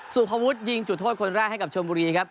สุภวุฒิยิงจุดโทษคนแรกให้กับชนบุรีครับ